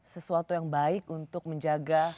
sesuatu yang baik untuk menjaga